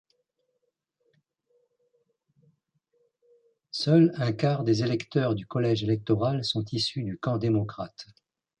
Seuls un quart des électeurs du collège électoral sont issus du camp démocrate.